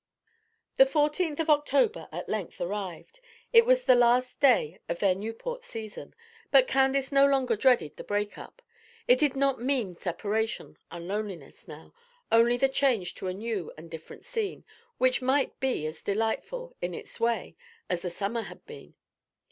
The fourteenth of October at length arrived. It was the last day of their Newport season, but Candace no longer dreaded the break up. It did not mean separation and loneliness now, only the change to a new and different scene, which might be as delightful in its way as the summer had been.